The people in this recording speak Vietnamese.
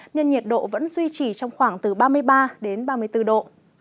nên nhiệt độ vẫn duy trì trong khoảng từ ba mươi ba đến ba mươi bốn độ